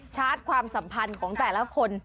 ชาร์จความสัมพันธ์ของแต่ละคน